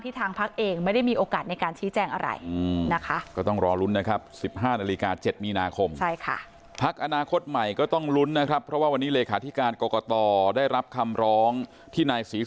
ที่ทางพลักษณ์เองไม่ได้มีโอกาสในการชี้แจ้งอะไร